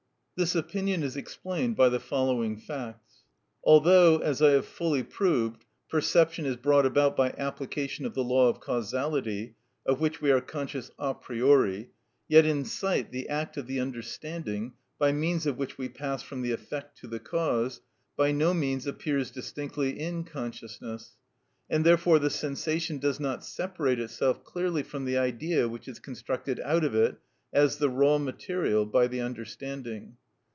This opinion is explained by the following facts. Although, as I have fully proved, perception is brought about by application of the law of causality, of which we are conscious a priori, yet in sight the act of the understanding, by means of which we pass from the effect to the cause, by no means appears distinctly in consciousness; and therefore the sensation does not separate itself clearly from the idea which is constructed out of it, as the raw material, by the understanding.